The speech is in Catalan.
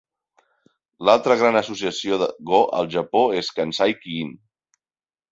L'altra gran associació Go al Japó és Kansai Ki-in.